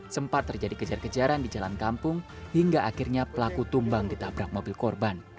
sempat terjadi kejar kejaran di jalan kampung hingga akhirnya pelaku tumbang ditabrak mobil korban